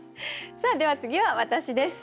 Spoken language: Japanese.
さあでは次は私です。